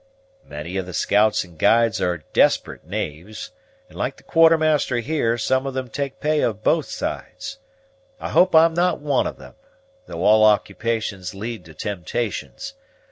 "Many of the scouts and guides are desperate knaves; and, like the Quartermaster here, some of them take pay of both sides. I hope I'm not one of them, though all occupations lead to temptations.